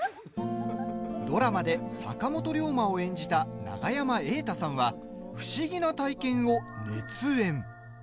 ドラマで坂本龍馬を演じた永山瑛太さんは不思議な体験を熱演。